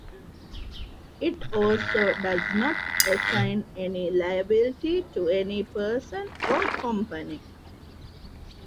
It also does not assign any liability to any person or company.